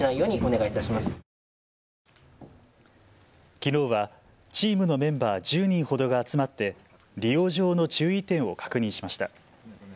きのうは、チームのメンバー１０人ほどが集まって利用上の注意点を確認しました。